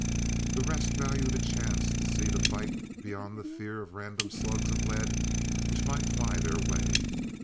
The rest valued a chance to see the fight beyond the fear of random slugs of lead which might fly their way.